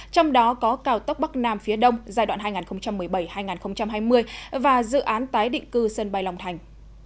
trong đó có cao tốc bắc nam phía đông giai đoạn hai nghìn một mươi bảy hai nghìn hai mươi và dự án tái định cư sân bay long thành